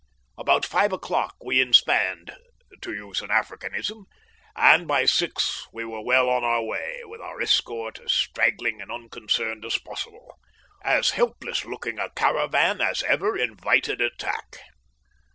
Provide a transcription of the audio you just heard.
About five o'clock we inspanned, to use an Africanism, and by six we were well on our way, with our escort as straggling and unconcerned as possible as helpless looking a caravan as ever invited attack.